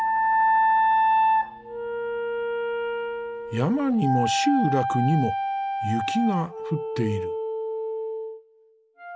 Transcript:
山にも集落にも雪が降っている。